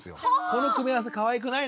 「この組み合わせかわいくない？